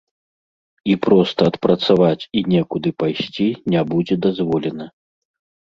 І проста адпрацаваць і некуды пайсці не будзе дазволена.